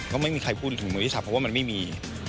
ก็ไม่มีใครพูดถึงมือที่๓เพราะว่ามันไม่มี